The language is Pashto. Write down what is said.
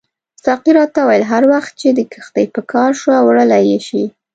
ساقي راته وویل هر وخت چې دې کښتۍ په کار شوه وړلای یې شې.